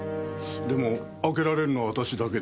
でも開けられるのは私だけでは。